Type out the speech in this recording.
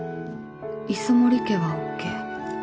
磯森家は ＯＫ